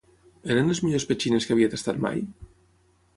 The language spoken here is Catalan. Eren les millors petxines que havia tastat mai?